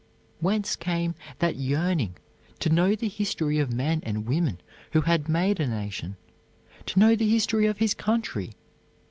Whence came that yearning to know the history of men and women who had made a nation; to know the history of his country?